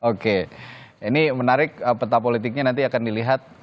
oke ini menarik peta politiknya nanti akan dilihat